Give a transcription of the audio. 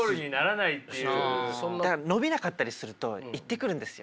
伸びなかったりすると言ってくるんですよ。